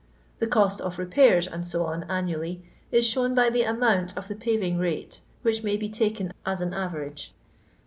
The cost of repairs, &c, annually, is shown by the amount of the paying rate, which may be taken as an average.